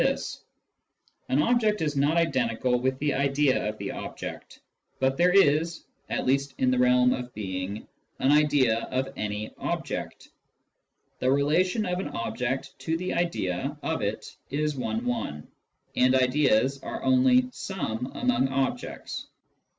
66. The Axiom of Infinity and Logical Types 139 object, but there is (at least in the realm of being) an idea of any object. The relation of an object to the idea of it is one one, and ideas are only some among objects.